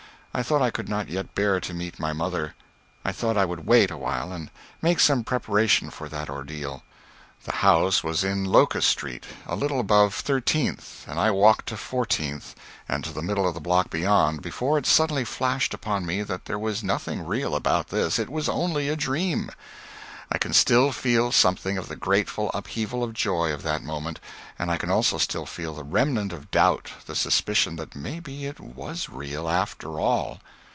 I thought I could not yet bear to meet my mother. I thought I would wait awhile and make some preparation for that ordeal. The house was in Locust Street, a little above 13th, and I walked to 14th, and to the middle of the block beyond, before it suddenly flashed upon me that there was nothing real about this it was only a dream. I can still feel something of the grateful upheaval of joy of that moment, and I can also still feel the remnant of doubt, the suspicion that maybe it was real, after all.